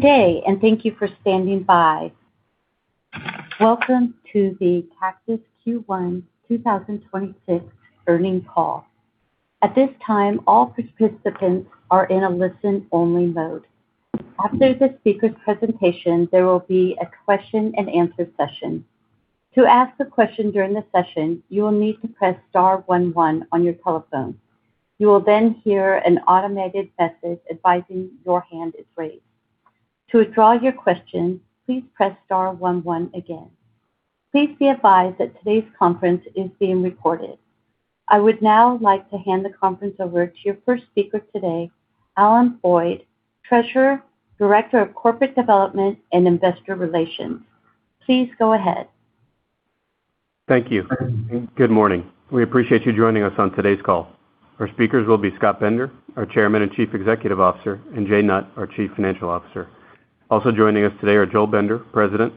Day, and thank you for standing by. Welcome to the Cactus Q1 2026 Earnings Call. At this time, all participants are in a listen-only mode. After this speaker's presentation, there will be a question-and-answer session. To ask a question during the session, you will need to press star one one on your telephone. You will then hear an automated message advising your hand is raised. To withdraw your question, please press star one one again. Please be advised that today's conference is being recorded. I would now like to hand the conference over to your first speaker today, Alan Boyd, Treasurer, Director of Corporate Development and Investor Relations. Please go ahead. Thank you. Good morning. We appreciate you joining us on today's call. Our speakers will be Scott Bender, our Chairman and Chief Executive Officer, and Jay Nutt, our Chief Financial Officer. Also joining us today are Joel Bender, President,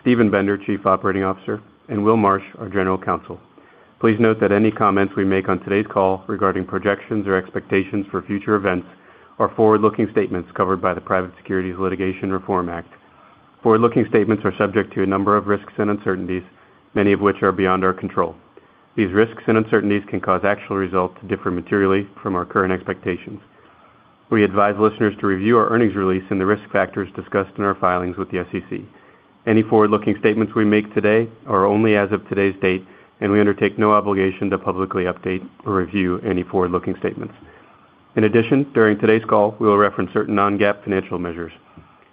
Steven Bender, Chief Operating Officer, and William Marsh, our General Counsel. Please note that any comments we make on today's call regarding projections or expectations for future events are forward-looking statements covered by the Private Securities Litigation Reform Act. Forward-looking statements are subject to a number of risks and uncertainties, many of which are beyond our control. These risks and uncertainties can cause actual results to differ materially from our current expectations. We advise listeners to review our earnings release and the risk factors discussed in our filings with the SEC. Any forward-looking statements we make today are only as of today's date, and we undertake no obligation to publicly update or review any forward-looking statements. In addition, during today's call, we will reference certain non-GAAP financial measures.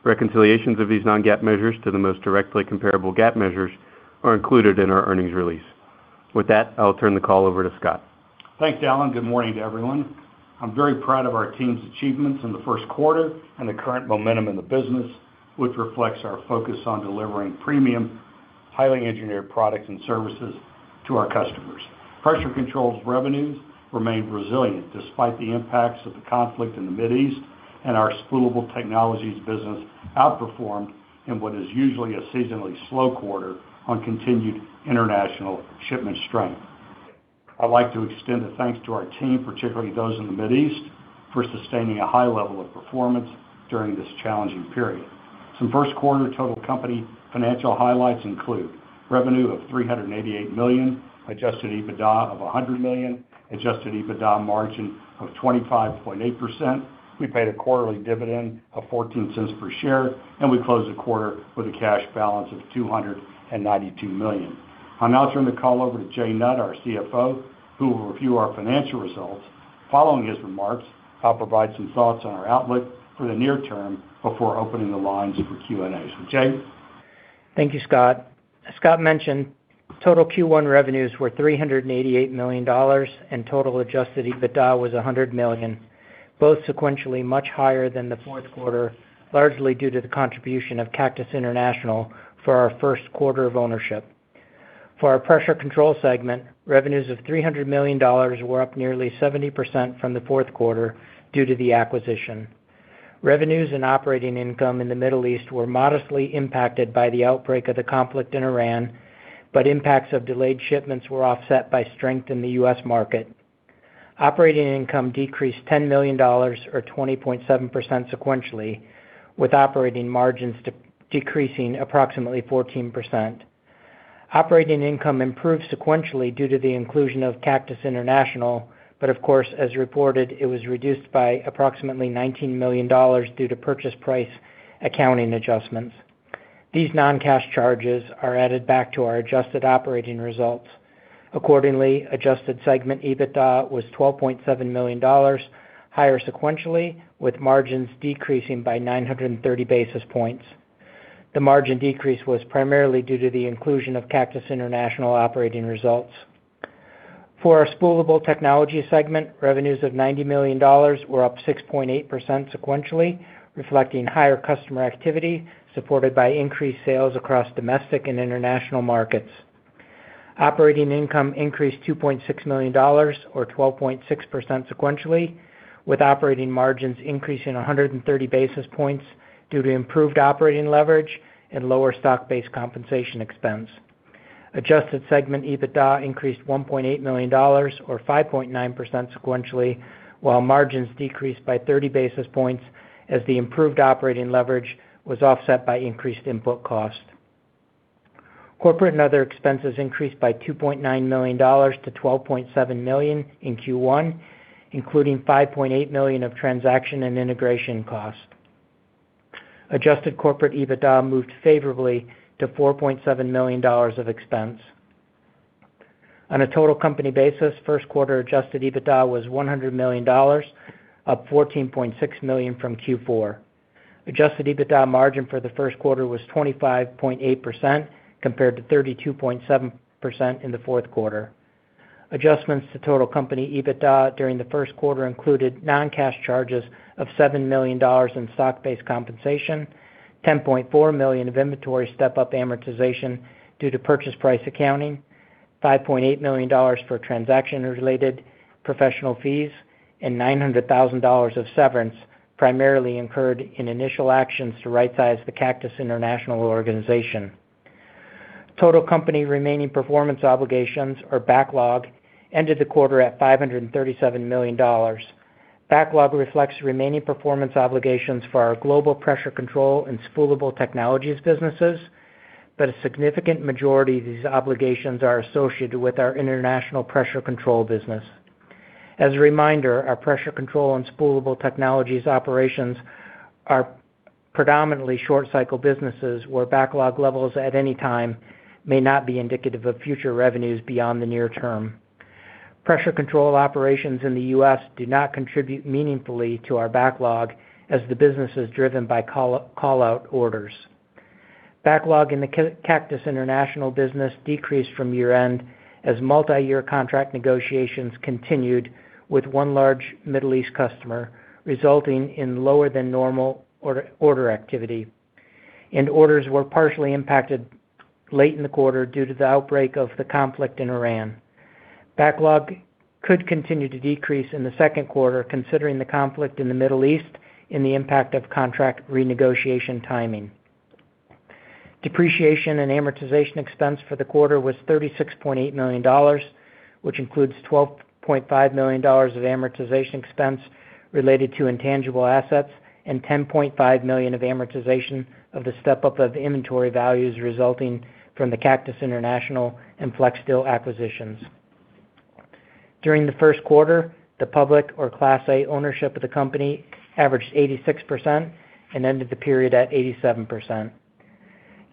Reconciliations of these non-GAAP measures to the most directly comparable GAAP measures are included in our earnings release. With that, I'll turn the call over to Scott. Thanks, Alan. Good morning to everyone. I'm very proud of our team's achievements in the Q1 and the current momentum in the business, which reflects our focus on delivering premium, highly engineered products and services to our customers. Pressure Controls revenues remained resilient despite the impacts of the conflict in the Mideast, and our Spoolable Technologies business outperformed in what is usually a seasonally slow quarter on continued international shipment strength. I'd like to extend a thanks to our team, particularly those in the Mideast, for sustaining a high level of performance during this challenging period. Some Q1 total company financial highlights include revenue of $388 million, Adjusted EBITDA of $100 million, Adjusted EBITDA margin of 25.8%. We paid a quarterly dividend of $0.14 per share, and we closed the quarter with a cash balance of $292 million. I'll now turn the call over to Jay Nutt, our CFO, who will review our financial results. Following his remarks, I'll provide some thoughts on our outlook for the near term before opening the lines for Q&A. Jay? Thank you, Scott. As Scott mentioned, total Q1 revenues were $388 million, and total Adjusted EBITDA was $100 million, both sequentially much higher than the Q4, largely due to the contribution of Cactus International for our Q1 of ownership. For our Pressure Control segment, revenues of $300 million were up nearly 70% from the Q4 due to the acquisition. Revenues and operating income in the Middle East were modestly impacted by the outbreak of the conflict in Iran, but impacts of delayed shipments were offset by strength in the US market. Operating income decreased $10 million or 20.7% sequentially, with operating margins decreasing approximately 14%. Operating income improved sequentially due to the inclusion of Cactus International, of course, as reported, it was reduced by approximately $19 million due to purchase price accounting adjustments. These non-cash charges are added back to our adjusted operating results. Accordingly, Adjusted segment EBITDA was $12.7 million, higher sequentially, with margins decreasing by 930 basis points. The margin decrease was primarily due to the inclusion of Cactus International operating results. For our Spoolable Technology segment, revenues of $90 million were up 6.8% sequentially, reflecting higher customer activity supported by increased sales across domestic and international markets. Operating income increased $2.6 million or 12.6% sequentially, with operating margins increasing 130 basis points due to improved operating leverage and lower stock-based compensation expense. Adjusted segment EBITDA increased $1.8 million or 5.9% sequentially, while margins decreased by 30 basis points as the improved operating leverage was offset by increased input cost. Corporate and other expenses increased by $2.9 million to $12.7 million in Q1, including $5.8 million of transaction and integration costs. Adjusted corporate EBITDA moved favorably to $4.7 million of expense. On a total company basis, Q1 Adjusted EBITDA was $100 million, up $14.6 million from Q4. Adjusted EBITDA margin for the Q1 was 25.8% compared to 32.7% in the Q4. Adjustments to total company EBITDA during the Q1 included non-cash charges of $7 million in stock-based compensation, $10.4 million of inventory step-up amortization due to purchase price accounting, $5.8 million for transaction-related professional fees, and $900,000 of severance primarily incurred in initial actions to rightsize the Cactus International organization. Total company remaining performance obligations or backlog ended the quarter at $537 million. Backlog reflects remaining performance obligations for our global Pressure Control and Spoolable Technologies businesses, but a significant majority of these obligations are associated with our international Pressure Control business. As a reminder, our Pressure Control and Spoolable Technologies operations are predominantly short cycle businesses, where backlog levels at any time may not be indicative of future revenues beyond the near term. Pressure Control operations in the U.S. do not contribute meaningfully to our backlog as the business is driven by call out orders. Backlog in the Cactus International business decreased from year-end as multiyear contract negotiations continued with one large Middle East customer, resulting in lower than normal order activity. Orders were partially impacted late in the quarter due to the outbreak of the conflict in Iran. Backlog could continue to decrease in the Q2 considering the conflict in the Middle East and the impact of contract renegotiation timing. Depreciation and amortization expense for the quarter was $36.8 million, which includes $12.5 million of amortization expense related to intangible assets and $10.5 million of amortization of the step-up of inventory values resulting from the Cactus International and FlexSteel acquisitions. During the Q1, the public or Class A ownership of the company averaged 86% and ended the period at 87%.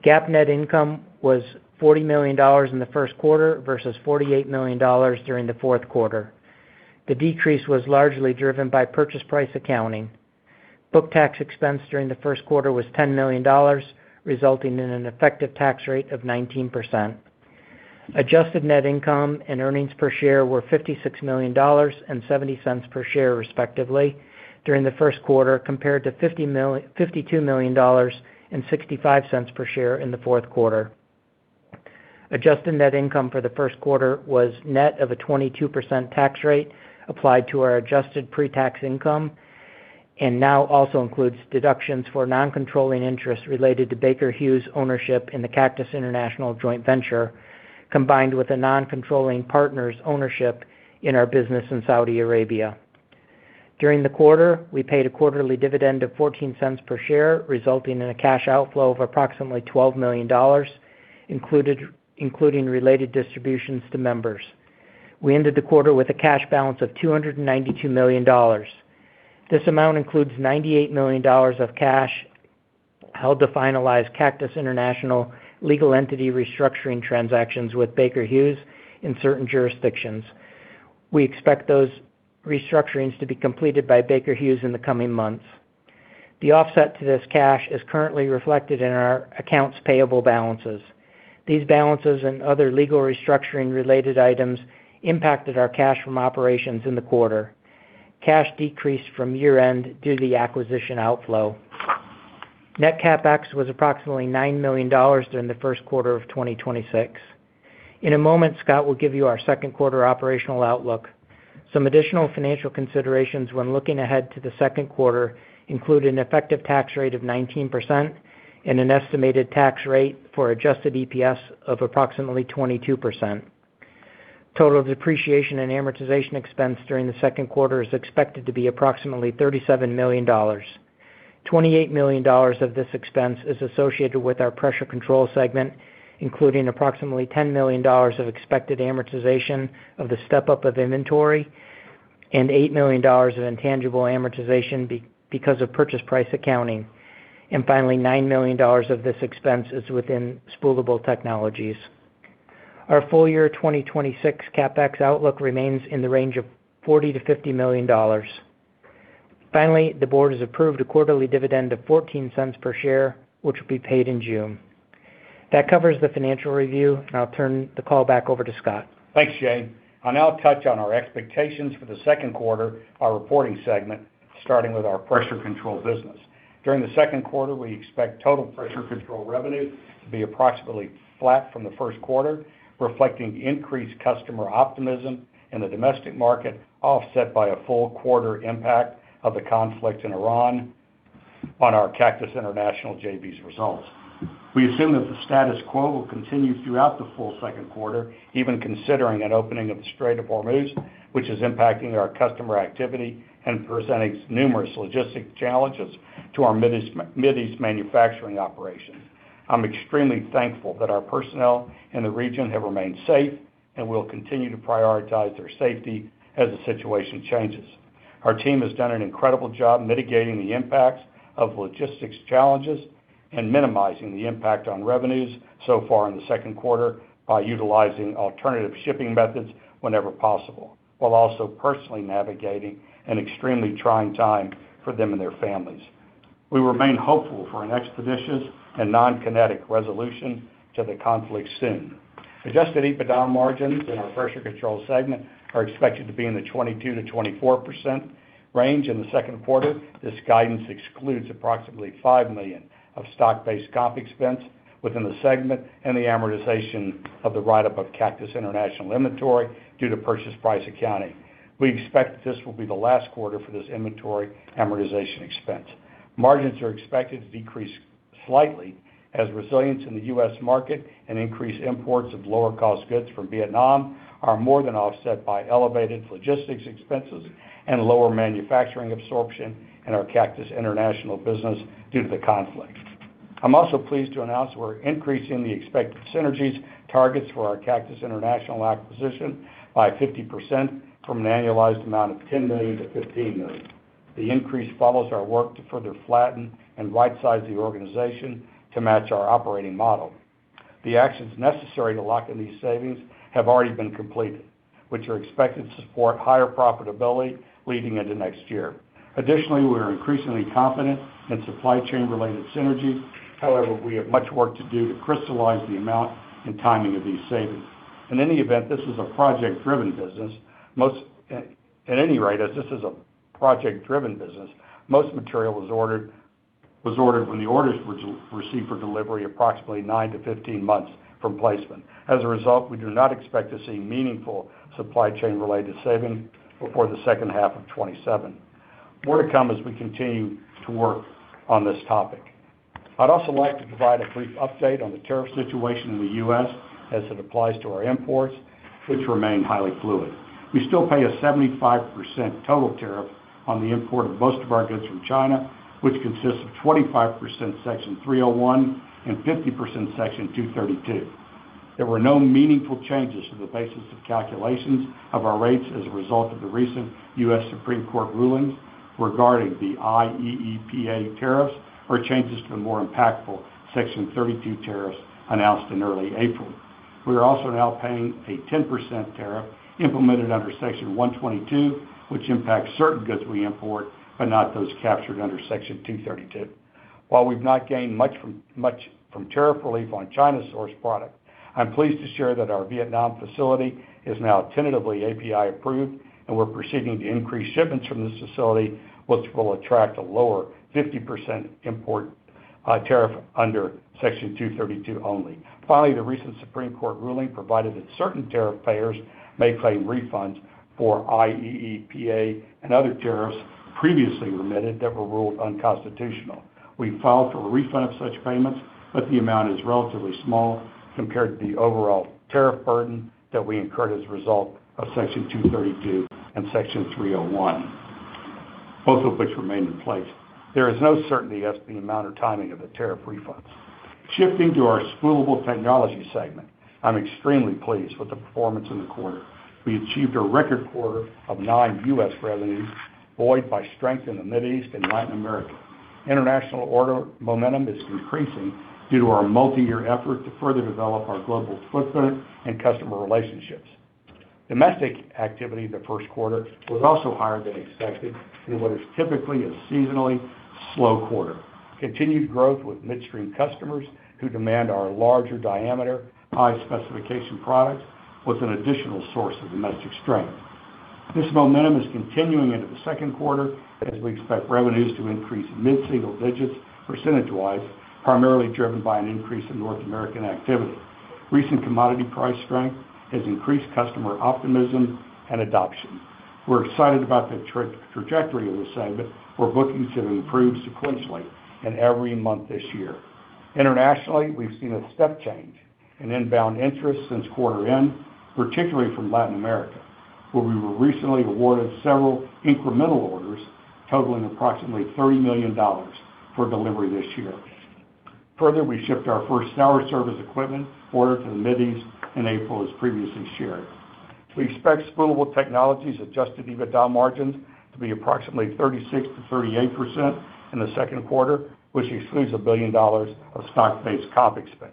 GAAP net income was $40 million in the Q1 versus $48 million during the Q4. The decrease was largely driven by purchase price accounting. Book tax expense during the Q1 was $10 million, resulting in an effective tax rate of 19%. Adjusted net income and earnings per share were $56 million and $0.70 per share, respectively, during the Q1, compared to $52 million and $0.65 per share in the Q4. Adjusted net income for the Q1 was net of a 22% tax rate applied to our adjusted pre-tax income, and now also includes deductions for non-controlling interests related to Baker Hughes ownership in the Cactus International joint venture, combined with a non-controlling partner's ownership in our business in Saudi Arabia. During the quarter, we paid a quarterly dividend of $0.14 per share, resulting in a cash outflow of approximately $12 million, including related distributions to members. We ended the quarter with a cash balance of $292 million. This amount includes $98 million of cash held to finalize Cactus International legal entity restructuring transactions with Baker Hughes in certain jurisdictions. We expect those restructurings to be completed by Baker Hughes in the coming months. The offset to this cash is currently reflected in our accounts payable balances. These balances and other legal restructuring related items impacted our cash from operations in the quarter. Cash decreased from year-end due to the acquisition outflow. Net CapEx was approximately $9 million during the Q1 of 2026. In a moment, Scott will give you our Q2 operational outlook. Some additional financial considerations when looking ahead to the Q2 include an effective tax rate of 19% and an estimated tax rate for adjusted EPS of approximately 22%. Total depreciation and amortization expense during the Q2 is expected to be approximately $37 million. $28 million of this expense is associated with our Pressure Control segment, including approximately $10 million of expected amortization of the step-up of inventory and $8 million of intangible amortization because of purchase price accounting. Finally, $9 million of this expense is within Spoolable Technologies. Our full year 2026 CapEx outlook remains in the range of $40 million-$50 million. Finally, the board has approved a quarterly dividend of $0.14 per share, which will be paid in June. That covers the financial review. I'll turn the call back over to Scott. Thanks, Jay. I'll now touch on our expectations for the Q2, our reporting segment, starting with our Pressure Control business. During the Q2, we expect total Pressure Control revenue to be approximately flat from the Q1, reflecting increased customer optimism in the domestic market, offset by a full quarter impact of the conflict in Iran on our Cactus International JV's results. We assume that the status quo will continue throughout the full Q2, even considering an opening of the Strait of Hormuz, which is impacting our customer activity and presenting numerous logistic challenges to our Mid East manufacturing operations. I'm extremely thankful that our personnel in the region have remained safe, and we'll continue to prioritize their safety as the situation changes. Our team has done an incredible job mitigating the impacts of logistics challenges and minimizing the impact on revenues so far in the Q2 by utilizing alternative shipping methods whenever possible, while also personally navigating an extremely trying time for them and their families. We remain hopeful for an expeditious and non-kinetic resolution to the conflict soon. Adjusted EBITDA margins in our Pressure Control segment are expected to be in the 22%-24% range in the Q2. This guidance excludes approximately $5 million of stock-based comp expense within the segment and the amortization of the write-up of Cactus International inventory due to purchase price accounting. We expect this will be the last quarter for this inventory amortization expense. Margins are expected to decrease slightly as resilience in the US market and increased imports of lower cost goods from Vietnam are more than offset by elevated logistics expenses and lower manufacturing absorption in our Cactus International business due to the conflict. I'm also pleased to announce we're increasing the expected synergies targets for our Cactus International acquisition by 50% from an annualized amount of $10 million-$15 million. The increase follows our work to further flatten and rightsize the organization to match our operating model. The actions necessary to lock in these savings have already been completed, which are expected to support higher profitability leading into next year. Additionally, we are increasingly confident in supply chain related synergies. However, we have much work to do to crystallize the amount and timing of these savings. In any event, this is a project-driven business. At any rate, as this is a project-driven business, most material was ordered when the orders were received for delivery approximately nine to 15 months from placement. As a result, we do not expect to see meaningful supply chain related savings before the second half of 2027. More to come as we continue to work on this topic. I'd also like to provide a brief update on the tariff situation in the U.S. as it applies to our imports, which remain highly fluid. We still pay a 75% total tariff on the import of most of our goods from China, which consists of 25% Section 301 and 50% Section 232. There were no meaningful changes to the basis of calculations of our rates as a result of the recent U.S. Supreme Court rulings regarding the IEEPA tariffs or changes to the more impactful Section 232 tariffs announced in early April. We are also now paying a 10% tariff implemented under Section 122, which impacts certain goods we import, but not those captured under Section 232. While we've not gained much from tariff relief on China source product, I'm pleased to share that our Vietnam facility is now tentatively API approved, and we're proceeding to increase shipments from this facility, which will attract a lower 50% import tariff under Section 232 only. Finally, the recent Supreme Court ruling provided that certain tariff payers may claim refunds for IEEPA and other tariffs previously remitted that were ruled unconstitutional. We filed for a refund of such payments, the amount is relatively small compared to the overall tariff burden that we incurred as a result of Section 232 and Section 301, both of which remain in place. There is no certainty as to the amount or timing of the tariff refunds. Shifting to our Spoolable Technology segment, I'm extremely pleased with the performance in the quarter. We achieved a record quarter of non-U.S. revenues, buoyed by strength in the Middle East and Latin America. International order momentum is increasing due to our multi-year effort to further develop our global footprint and customer relationships. Domestic activity in the Q1 was also higher than expected in what is typically a seasonally slow quarter. Continued growth with midstream customers who demand our larger diameter, high specification products was an additional source of domestic strength. This momentum is continuing into the Q2 as we expect revenues to increase mid-single digits percentage-wise, primarily driven by an increase in North American activity. Recent commodity price strength has increased customer optimism and adoption. We're excited about the trajectory of the segment, where bookings have improved sequentially in every month this year. Internationally, we've seen a step change in inbound interest since quarter end, particularly from Latin America, where we were recently awarded several incremental orders totaling approximately $30 million for delivery this year. Further, we shipped our 1st sour service equipment order to the Middle East in April, as previously shared. We expect Spoolable Technologies Adjusted EBITDA margins to be approximately 36%-38% in the Q2, which excludes $1 billion of stock-based comp expense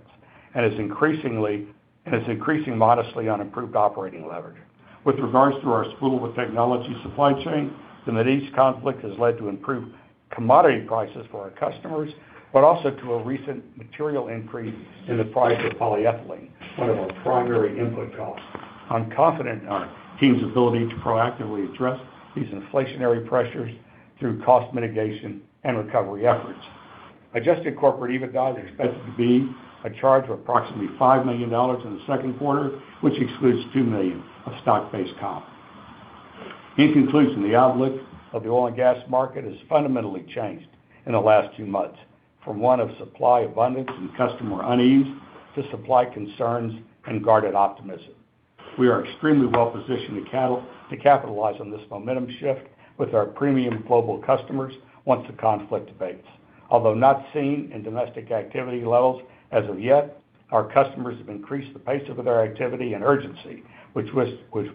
and is increasing modestly on improved operating leverage. With regards to our Spoolable Technology supply chain, the Middle East conflict has led to improved commodity prices for our customers, but also to a recent material increase in the price of polyethylene, one of our primary input costs. I'm confident in our team's ability to proactively address these inflationary pressures through cost mitigation and recovery efforts. Adjusted corporate EBITDA is expected to be a charge of approximately $5 million in the Q2, which excludes $2 million of stock-based comp. In conclusion, the outlook of the oil and gas market has fundamentally changed in the last two months, from one of supply abundance and customer unease to supply concerns and guarded optimism. We are extremely well-positioned to capitalize on this momentum shift with our premium global customers once the conflict abates. Although not seen in domestic activity levels as of yet, our customers have increased the pace of their activity and urgency, with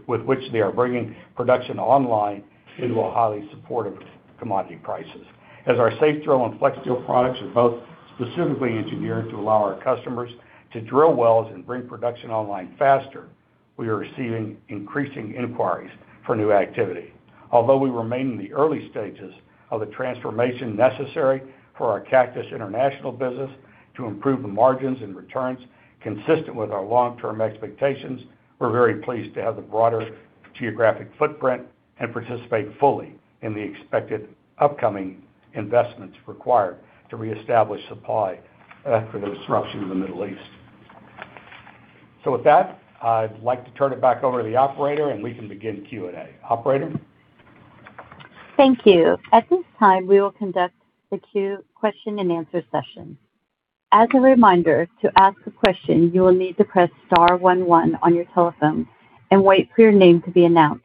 which they are bringing production online into a highly supportive commodity prices. As our SafeDrill and FlexSteel products are both specifically engineered to allow our customers to drill wells and bring production online faster, we are receiving increasing inquiries for new activity. Although we remain in the early stages of the transformation necessary for our Cactus International business to improve the margins and returns consistent with our long-term expectations, we are very pleased to have the broader geographic footprint and participate fully in the expected upcoming investments required to reestablish supply after the disruption in the Middle East. With that, I'd like to turn it back over to the operator, and we can begin Q&A. Operator? Thank you. At this time, we will conduct the question-and-answer session. We will conduct the Q&A question and answer session. As a reminder, to ask a question, you will need to press star one one on your telephone and wait for your name to be announced.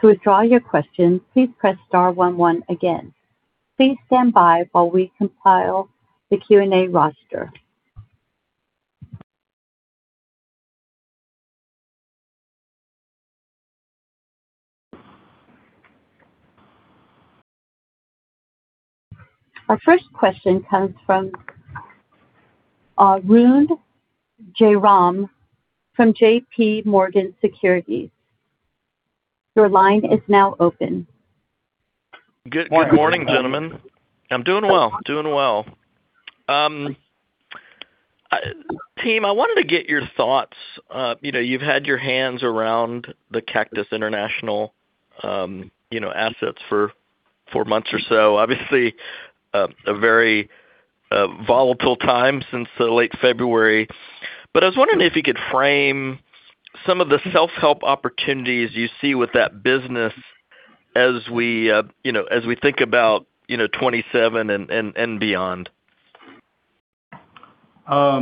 To withdraw your question, please press star one again. Please stand by while we compile the Q&A roster. Our first question comes from Arun Jayaram from JPMorgan Securities. Your line is now open. Good morning, gentlemen. Morning, Arun. I'm doing well. Doing well. Team, I wanted to get your thoughts. you know, you've had your hands around the Cactus International, you know, assets for four months or so, obviously, a very volatile time since the late February. I was wondering if you could frame some of the self-help opportunities you see with that business as we, you know, as we think about, you know, 2027 and beyond. Are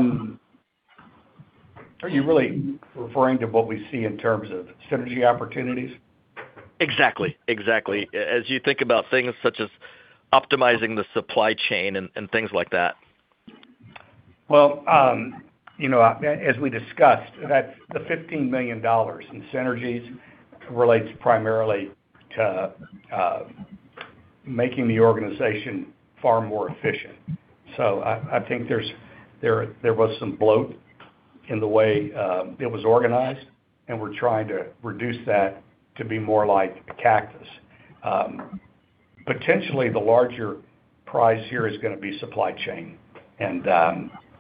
you really referring to what we see in terms of synergy opportunities? Exactly. Exactly. As you think about things such as optimizing the supply chain and things like that. Well, you know, as we discussed, that's the $15 million in synergies relates primarily to making the organization far more efficient. I think there was some bloat in the way it was organized, and we're trying to reduce that to be more like Cactus. Potentially the larger prize here is gonna be supply chain.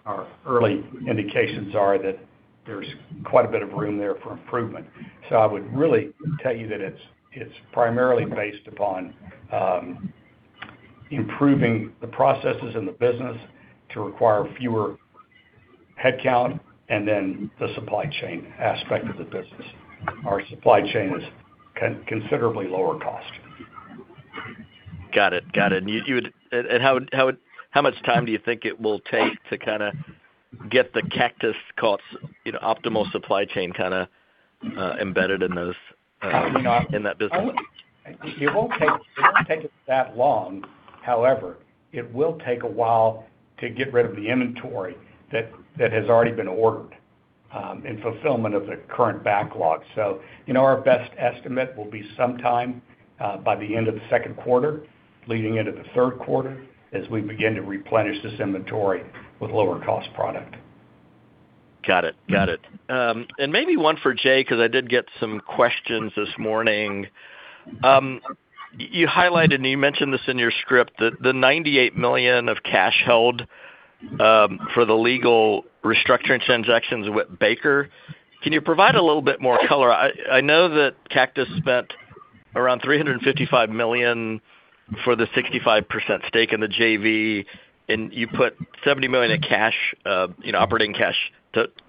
Our early indications are that there's quite a bit of room there for improvement. I would really tell you that it's primarily based upon improving the processes in the business to require fewer headcount and then the supply chain aspect of the business. Our supply chain is considerably lower cost. Got it. Got it. How much time do you think it will take to kinda get the Cactus cost, you know, optimal supply chain kinda embedded in those in that business? You know, it won't take us that long. However, it will take a while to get rid of the inventory that has already been ordered in fulfillment of the current backlog. You know, our best estimate will be sometime by the end of the Q2 leading into the Q3 as we begin to replenish this inventory with lower cost product. Got it. Got it. Maybe one for Jay, 'cause I did get some questions this morning. You highlighted, and you mentioned this in your script, that the $98 million of cash held for the legal restructuring transactions with Baker. Can you provide a little bit more color? I know that Cactus spent around $355 million for the 65% stake in the JV, and you put $70 million in cash, you know, operating cash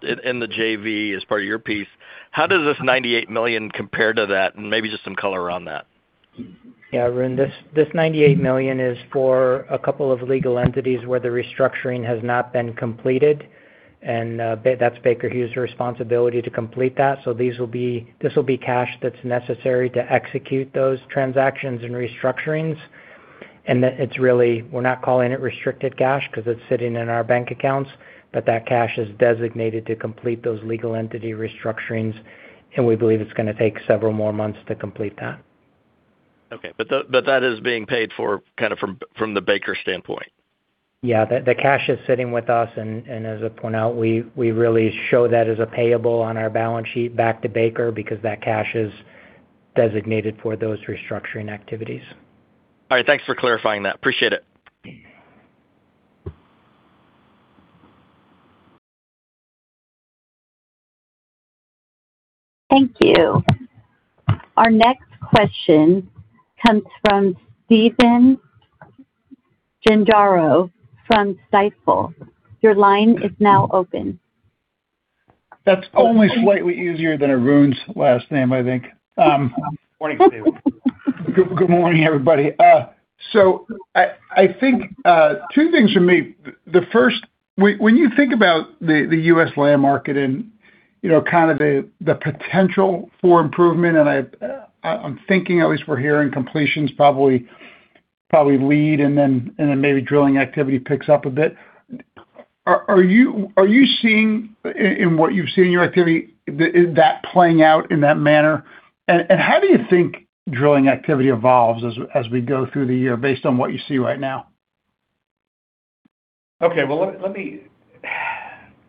in the JV as part of your piece. How does this $98 million compare to that, and maybe just some color around that? Yeah. Arun, this $98 million is for a couple of legal entities where the restructuring has not been completed, and that's Baker Hughes responsibility to complete that. This will be cash that's necessary to execute those transactions and restructurings. We're not calling it restricted cash 'cause it's sitting in our bank accounts. That cash is designated to complete those legal entity restructurings, and we believe it's gonna take several more months to complete that. Okay. That is being paid for kind of from the Baker standpoint. Yeah. The cash is sitting with us, and as I point out, we really show that as a payable on our balance sheet back to Baker because that cash is designated for those restructuring activities. All right. Thanks for clarifying that. Appreciate it. Thank you. Our next question comes from Stephen Gengaro from Stifel. Your line is now open. That's only slightly easier than Arun's last name, I think. Morning, Stephen. Good morning, everybody. I think two things from me. The first, when you think about the U.S. land market and, you know, kind of the potential for improvement, I'm thinking at least we're hearing completions probably lead and then maybe drilling activity picks up a bit. Are you seeing in what you've seen in your activity, is that playing out in that manner? How do you think drilling activity evolves as we go through the year based on what you see right now? Okay. Well, let me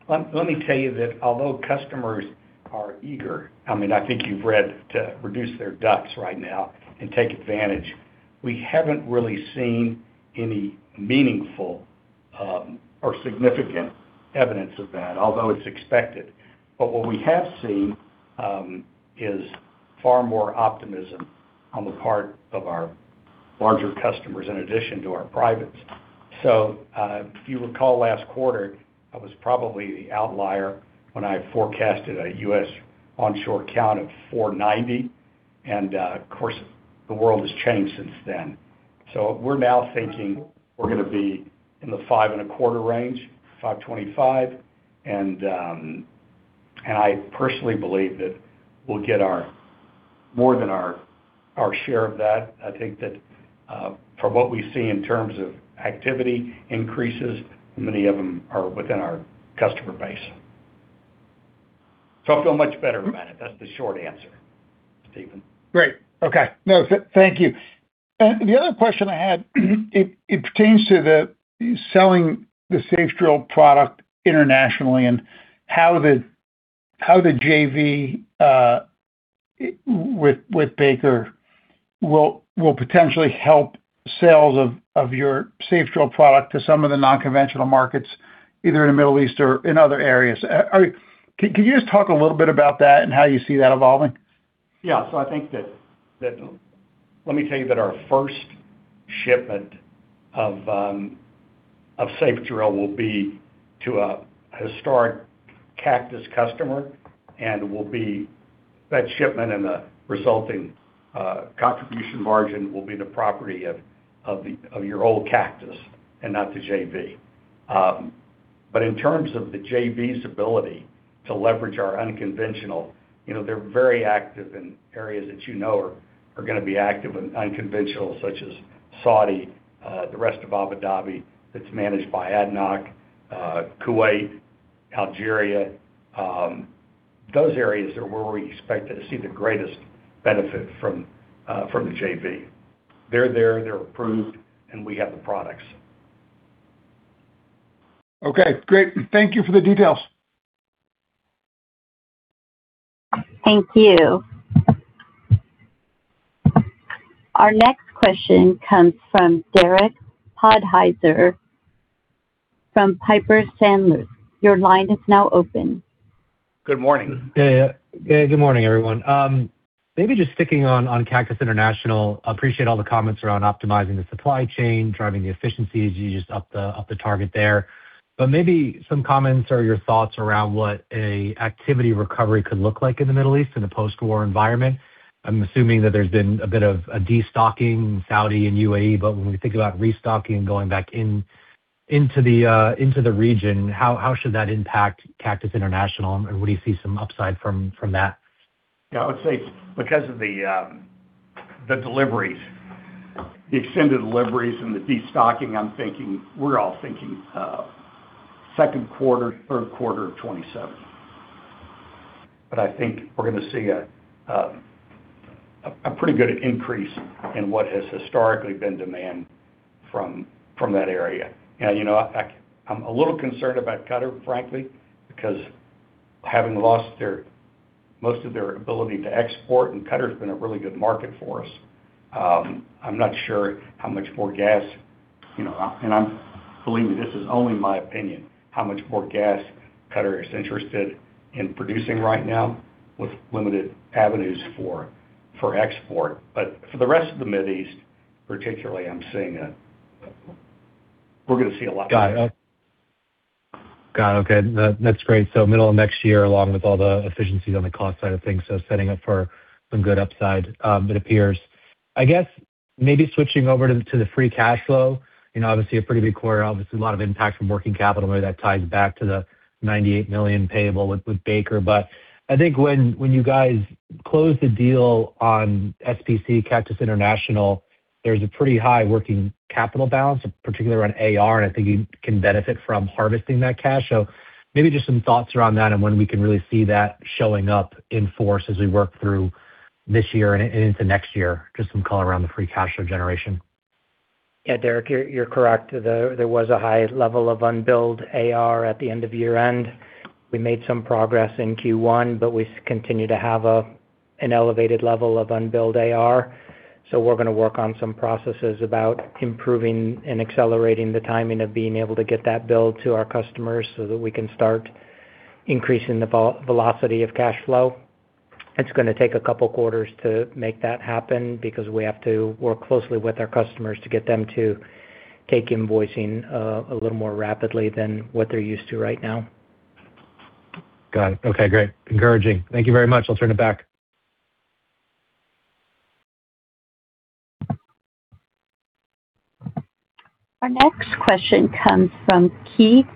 tell you that although customers are eager, I mean, I think you've read to reduce their DUCs right now and take advantage. We haven't really seen any meaningful or significant evidence of that, although it's expected. What we have seen is far more optimism on the part of our customers, larger customers in addition to our privates. If you recall last quarter, I was probably the outlier when I forecasted a U.S. onshore count of 490 and, of course, the world has changed since then. We're now thinking we're gonna be in the 525 range, 525. I personally believe that we'll get our more than our share of that. I think that, from what we see in terms of activity increases, many of them are within our customer base. I feel much better about it. That's the short answer, Stephen. Great. Okay. No, thank you. The other question I had, it pertains to the selling the SafeDrill product internationally and how the JV with Baker will potentially help sales of your SafeDrill product to some of the non-conventional markets, either in the Middle East or in other areas. Can you just talk a little bit about that and how you see that evolving? Yeah. I think that, let me tell you that our first shipment of SafeDrill will be to a historic Cactus customer, and will be that shipment and the resulting contribution margin will be the property of your old Cactus and not the JV. In terms of the JV's ability to leverage our unconventional, you know, they're very active in areas that you know are gonna be active in unconventional, such as Saudi, the rest of Abu Dhabi that's managed by ADNOC, Kuwait, Algeria, those areas are where we expect to see the greatest benefit from the JV. They're there, they're approved, we have the products. Okay, great. Thank you for the details. Thank you. Our next question comes from Derek Podhaizer from Piper Sandler. Your line is now open. Good morning, everyone. Maybe just sticking on Cactus International. Appreciate all the comments around optimizing the supply chain, driving the efficiencies. You just upped the target there. Maybe some comments or your thoughts around what a activity recovery could look like in the Middle East in a post-war environment. I'm assuming that there's been a bit of a destocking in Saudi and UAE, but when we think about restocking going back into the region, how should that impact Cactus International? Where do you see some upside from that? Yeah. I would say because of the deliveries, the extended deliveries and the destocking, I'm thinking, we're all thinking, Q2, Q3 of 2027. I think we're gonna see a pretty good increase in what has historically been demand from that area. You know, I'm a little concerned about Qatar, frankly, because having lost their, most of their ability to export, and Qatar's been a really good market for us, I'm not sure how much more gas, you know, and believe me, this is only my opinion, how much more gas Qatar is interested in producing right now with limited avenues for export. For the rest of the Middle East, particularly, we're gonna see a lot more. Got it. Got it. Okay. That, that's great. Middle of next year, along with all the efficiencies on the cost side of things, so setting up for some good upside, it appears. I guess, maybe switching over to the free cash flow, you know, obviously a pretty big quarter. Obviously, a lot of impact from working capital where that ties back to the $98 million payable with Baker Hughes. I think when you guys closed the deal on SPC, Cactus International, there's a pretty high working capital balance, particularly around AR, and I think you can benefit from harvesting that cash. Maybe just some thoughts around that and when we can really see that showing up in force as we work through this year and into next year. Just some color around the free cash flow generation. Yeah, Derek, you're correct. There was a high level of unbilled AR at the end of year-end. We made some progress in Q1, we continue to have an elevated level of unbilled AR. We're gonna work on some processes about improving and accelerating the timing of being able to get that bill to our customers so that we can start increasing the velocity of cash flow. It's gonna take a couple quarters to make that happen because we have to work closely with our customers to get them to take invoicing a little more rapidly than what they're used to right now. Got it. Okay, great. Encouraging. Thank you very much. I'll turn it back. Our next question comes from Keith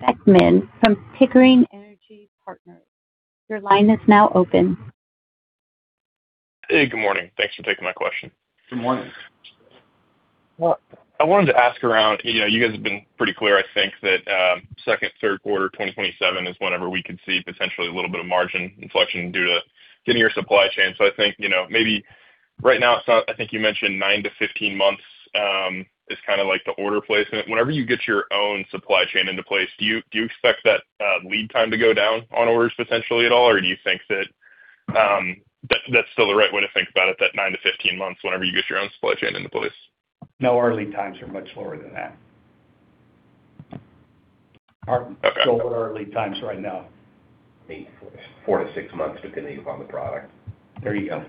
Beckmann from Pickering Energy Partners. Your line is now open. Hey, good morning. Thanks for taking my question. Good morning. I wanted to ask around, you know, you guys have been pretty clear, I think, that Q2, Q3, 2027 is whenever we could see potentially a little bit of margin inflection due to getting your supply chain. I think, you know, maybe right now it's not I think you mentioned nine to 15 months is kinda like the order placement. Whenever you get your own supply chain into place, do you, do you expect that lead time to go down on orders potentially at all? Or do you think that that's still the right way to think about it, that nine to 15 months whenever you get your own supply chain into place? No, our lead times are much lower than that. Our delivery times right now. Eight, four to six months, depending upon the product. There you go.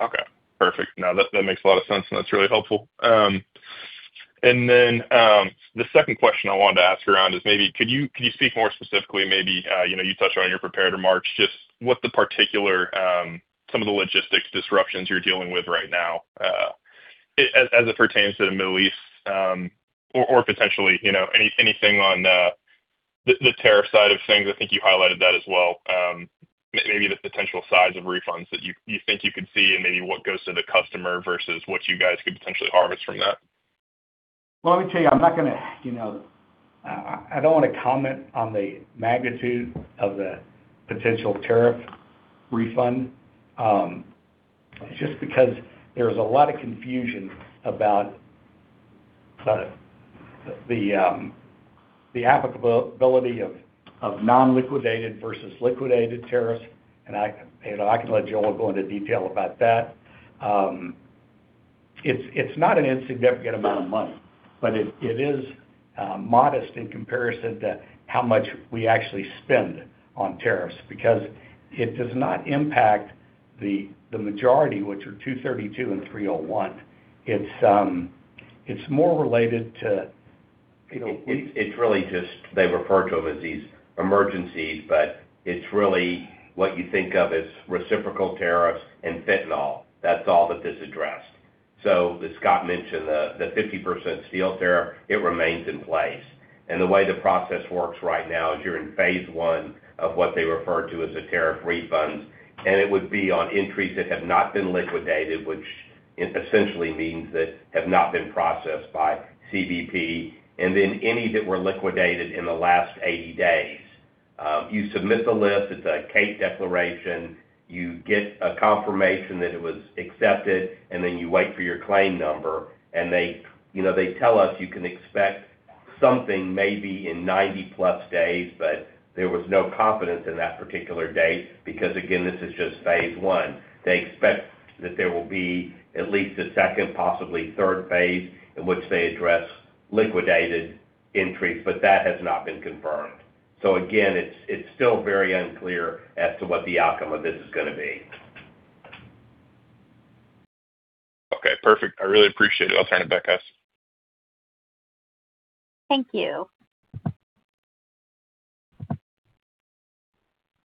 Okay, perfect. No, that makes a lot of sense, and that's really helpful. The second question I wanted to ask around is maybe could you speak more specifically, maybe, you know, you touched on your prepared remarks, just what the particular, some of the logistics disruptions you're dealing with right now, as it pertains to the Middle East, or potentially, you know, anything on the tariff side of things. I think you highlighted that as well. Maybe the potential size of refunds that you think you could see and maybe what goes to the customer versus what you guys could potentially harvest from that. Let me tell you, You know, I don't wanna comment on the magnitude of the potential tariff refund, just because there's a lot of confusion about the applicability of non-liquidated versus liquidated tariffs. I, you know, I can let Joel go into detail about that. It's not an insignificant amount of money, but it is modest in comparison to how much we actually spend on tariffs because it does not impact the majority, which are 232 and 301. It's more related to, you know. It's, it's really just they refer to them as these emergencies, but it's really what you think of as reciprocal tariffs and fentanyl. That's all that this addressed. As Scott mentioned, the 50% steel tariff, it remains in place. The way the process works right now is you're in phase 1 of what they refer to as the tariff refunds, and it would be on entries that have not been liquidated, which essentially means that have not been processed by CBP, and then any that were liquidated in the last 80 days. You submit the list, it's a ACE declaration. You get a confirmation that it was accepted, and then you wait for your claim number. They, you know, they tell us you can expect something maybe in 90+ days, but there was no confidence in that particular date because, again, this is just phase I. They expect that there will be at least a second, possibly third phase in which they address liquidated entries, but that has not been confirmed. Again, it's still very unclear as to what the outcome of this is gonna be. Okay, perfect. I really appreciate it. I'll turn it back, guys. Thank you.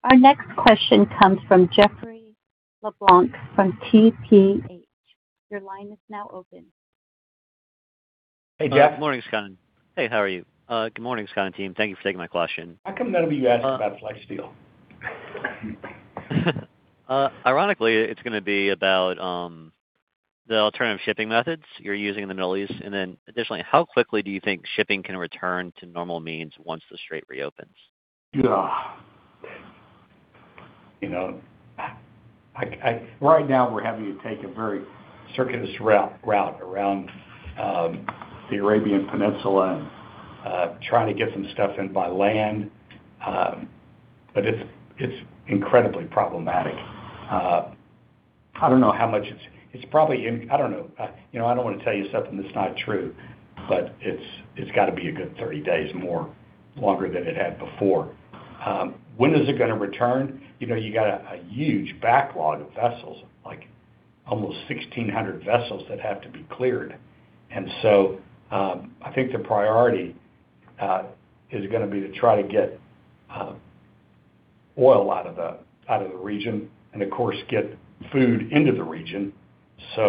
Our next question comes from Jeff LeBlanc from TPH&Co. Your line is now open. Hey, Jeff. Good morning, Scott. Hey, how are you? Good morning, Scott and team. Thank you for taking my question. How come none of you asked about FlexSteel? Ironically, it's gonna be about, the alternative shipping methods you're using in the Middle East. Additionally, how quickly do you think shipping can return to normal means once the Strait reopens? Yeah. You know, I right now we're having to take a very circuitous route around the Arabian Peninsula and trying to get some stuff in by land. It's incredibly problematic. I don't know how much it's I don't know. You know, I don't wanna tell you something that's not true, but it's gotta be a good 30 days more longer than it had before. When is it gonna return? You know, you got a huge backlog of vessels, like almost 1,600 vessels that have to be cleared. I think the priority is gonna be to try to get oil out of the region and of course, get food into the region. You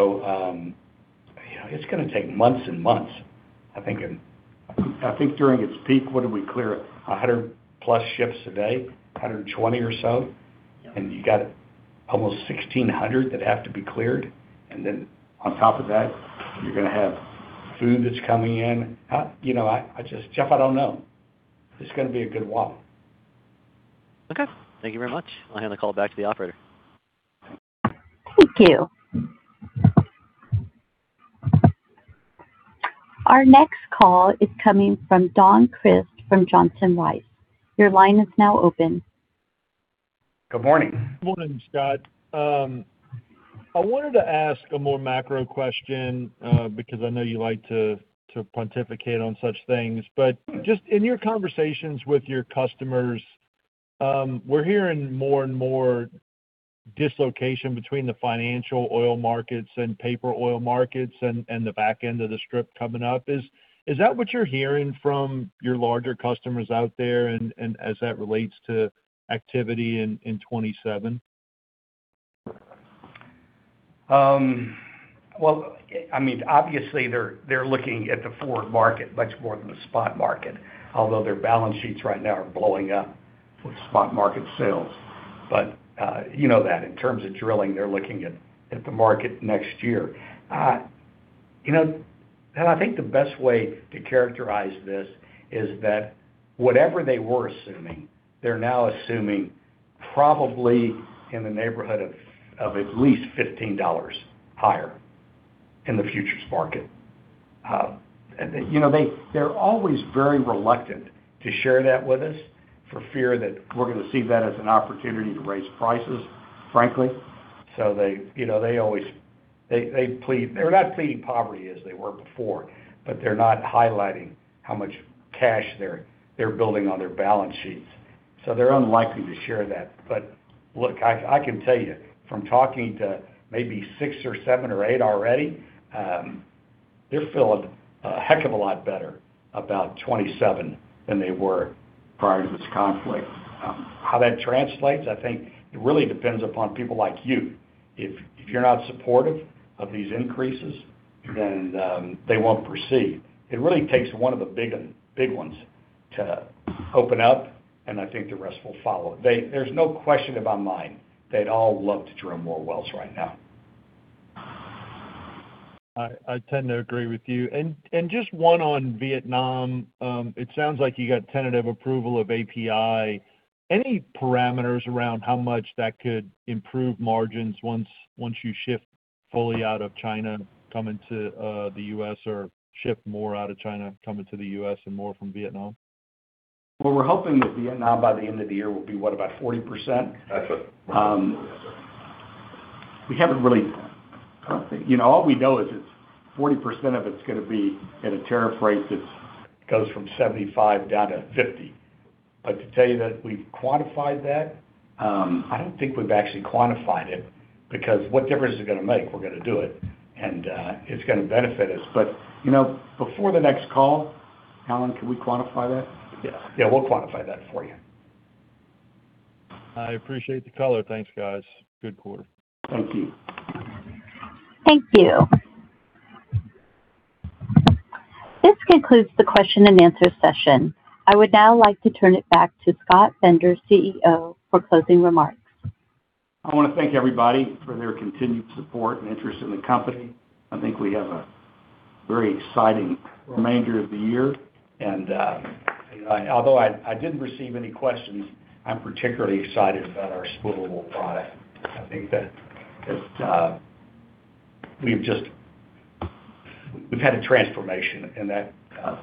know, it's gonna take months and months. I think during its peak, what did we clear? 100+ ships a day, 120 or so. You got almost 1,600 that have to be cleared. On top of that, you're gonna have food that's coming in. You know, I just Jeff, I don't know. It's gonna be a good while. Okay. Thank you very much. I'll hand the call back to the operator. Thank you. Our next call is coming from Don Crist from Johnson Rice. Your line is now open. Good morning. Morning, Scott. I wanted to ask a more macro question because I know you like to pontificate on such things. Just in your conversations with your customers, we're hearing more and more dislocation between the financial oil markets and paper oil markets and the back end of the strip coming up. Is that what you're hearing from your larger customers out there and as that relates to activity in 2027? Well, I mean, obviously they're looking at the forward market much more than the spot market, although their balance sheets right now are blowing up with spot market sales. You know that. In terms of drilling, they're looking at the market next year. You know, I think the best way to characterize this is that whatever they were assuming, they're now assuming probably in the neighborhood of at least $15 higher in the futures market. You know, they're always very reluctant to share that with us for fear that we're gonna see that as an opportunity to raise prices, frankly. They, you know, they plead they're not pleading poverty as they were before, they're not highlighting how much cash they're building on their balance sheets. They're unlikely to share that. Look, I can tell you from talking to maybe six or seven or eight already, they're feeling a heck of a lot better about 27 than they were prior to this conflict. How that translates, I think it really depends upon people like you. If you're not supportive of these increases, then they won't proceed. It really takes one of the big ones to open up, and I think the rest will follow. There's no question in my mind they'd all love to drill more wells right now. I tend to agree with you. Just one on Vietnam. It sounds like you got tentative approval of API. Any parameters around how much that could improve margins once you shift fully out of China, come into the U.S., or shift more out of China, come into the U.S. and more from Vietnam? Well, we're hoping that Vietnam, by the end of the year, will be, what, about 40%? That's it. We haven't really You know, all we know is it's 40% of it's gonna be at a tariff rate that's goes from 75% down to 50%. To tell you that we've quantified that, I don't think we've actually quantified it because what difference is it gonna make? We're gonna do it and it's gonna benefit us. You know, before the next call, Alan, can we quantify that? Yeah. Yeah, we'll quantify that for you. I appreciate the color. Thanks, guys. Good quarter. Thank you. Thank you. This concludes the question and answer session. I would now like to turn it back to Scott Bender, CEO, for closing remarks. I wanna thank everybody for their continued support and interest in the company. I think we have a very exciting remainder of the year and, although I didn't receive any questions, I'm particularly excited about our spoolable product. I think that it's, we've had a transformation in that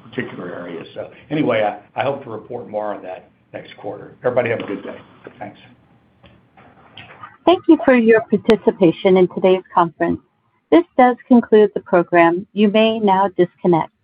particular area. Anyway, I hope to report more on that next quarter. Everybody have a good day. Thanks. Thank you for your participation in today's conference. This does conclude the program. You may now disconnect.